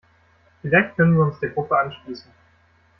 Vielleicht können wir uns der Gruppe anschließen.